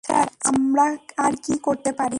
Sir, আমরা আর কি করতে পারি?